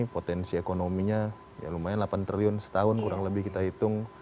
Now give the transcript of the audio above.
potensi ekonominya ya lumayan delapan triliun setahun kurang lebih kita hitung